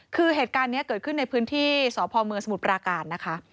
คือเหตุการณ์นี้เกิดขึ้นในพื้นที่สพเมืองสมุทรปราการนะคะ